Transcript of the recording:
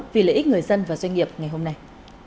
vì lợi ích người dân và doanh nghiệp ngày hôm nay